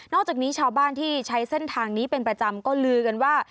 จากนี้ชาวบ้านที่ใช้เส้นทางนี้เป็นประจำก็ลือกันว่า